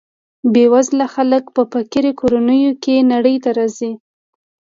بې وزله خلک په فقیر کورنیو کې نړۍ ته راځي.